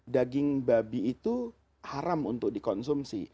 daging babi itu haram untuk dikonsumsi